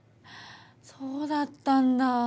そうだったんだ。